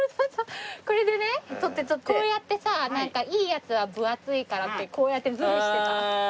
これでねこうやってさいいやつは分厚いからってこうやってズルしてた。